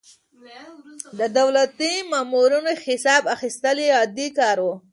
د دولتي مامورينو حساب اخيستل يې عادي کار و.